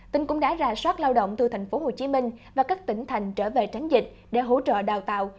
tỉnh cũng đã rà soát lao động từ tp hcm và các tỉnh thành trở về tránh dịch để hỗ trợ đào tạo